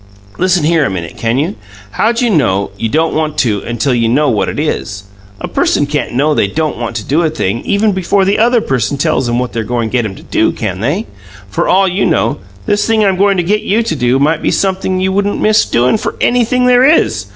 "Listen here a minute, can't you? How d'you know you don't want to until you know what it is? A person CAN'T know they don't want to do a thing even before the other person tells 'em what they're goin' to get 'em to do, can they? For all you know, this thing I'm goin' to get you to do might be sumpthing you wouldn't miss doin' for anything there is!